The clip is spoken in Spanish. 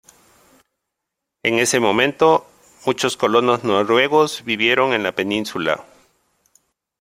En ese momento, muchos colonos noruegos vivieron en la península.